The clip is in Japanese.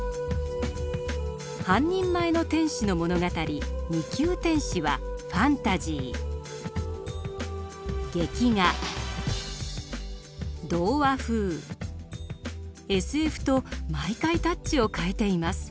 半人前の天使の物語「二級天使」はファンタジー劇画童話風ＳＦと毎回タッチを変えています。